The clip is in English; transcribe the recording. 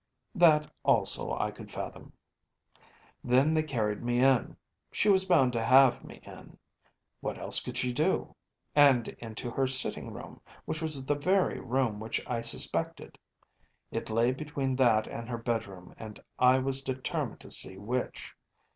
‚ÄĚ “That also I could fathom.‚ÄĚ “Then they carried me in. She was bound to have me in. What else could she do? And into her sitting room, which was the very room which I suspected. It lay between that and her bedroom, and I was determined to see which.